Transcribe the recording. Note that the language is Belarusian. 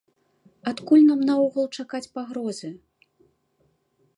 Адкуль нам наогул чакаць пагрозы?